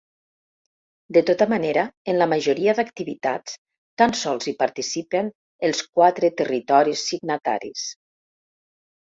De tota manera, en la majoria d’activitats tan sols hi participen els quatre territoris signataris.